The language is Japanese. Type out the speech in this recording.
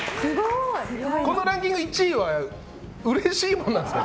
このランキング１位はうれしいものですか？